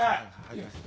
行きます。